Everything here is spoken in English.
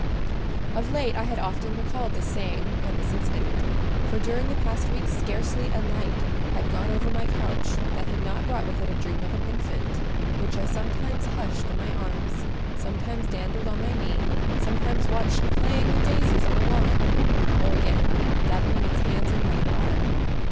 Of late I had often recalled this saying and this incident; for during the past week scarcely a night had gone over my couch that had not brought with it a dream of an infant, which I sometimes hushed in my arms, sometimes dandled on my knee, sometimes watched playing with daisies on a lawn, or again, dabbling its hands in running water.